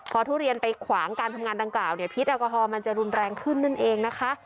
พอทุเรียนไปขวางการทำงานดังกล่าวเนี่ยพิษแอลกอฮอลมันจะรุนแรงขึ้นนั่นเองนะคะ